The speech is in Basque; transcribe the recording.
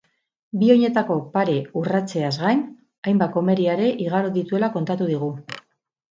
Bi oinetako pare urratzeaz gain, hainbat komeria ere igaro dituela kontatu digu.